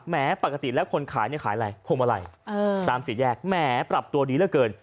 แม้ปกติแล้วคนขายเนี่ยขายอะไรพวงมาลัยตามสี่แยกแหมปรับตัวดีเหลือเกิน